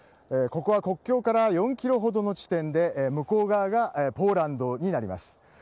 ここは国境から４ｋｍほどの地点で向こう側がポーランドになります。